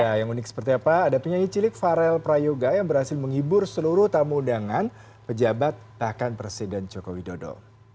ya yang unik seperti apa ada penyanyi cilik farel prayoga yang berhasil menghibur seluruh tamu undangan pejabat bahkan presiden joko widodo